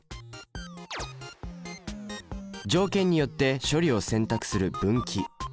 条件によって処理を選択する「分岐」。